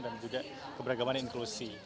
dan juga keberagaman dan inklusi